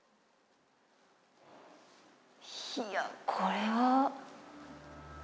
いやこれは。